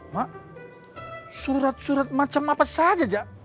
mak surat surat macam apa saja